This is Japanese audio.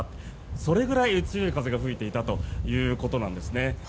それくらい強い風が吹いていたということなんですね。